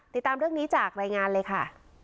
ติดตามเรื่องนี้จากรายงานเลยค่ะ